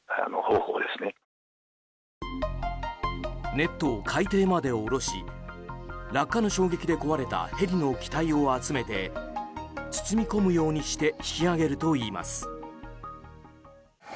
ネットを海底まで下ろし落下の衝撃で壊れたヘリの機体を集めて包み込むようにして引き揚げるといいます。